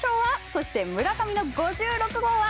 そして、村上の５６号は？